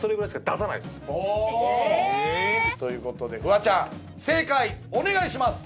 お！え！ということでフワちゃん正解お願いします。